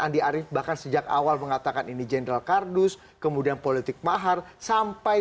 andi arief bahkan sejak awal mengatakan ini jenderal kardus kemudian politik mahar sampai